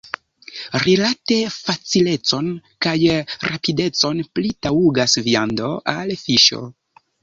Rilate facilecon kaj rapidecon pli taŭgas viando ol fiŝo.